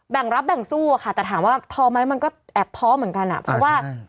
แบ่งรับแบ่งสู้อะค่ะแต่ถามว่าท้อไหมมันก็แอบท้อเหมือนกันอ่ะเพราะว่า